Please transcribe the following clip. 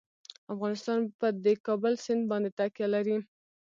افغانستان په د کابل سیند باندې تکیه لري.